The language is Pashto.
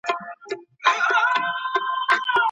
خوښي د زده کړي پروسه چټکوي.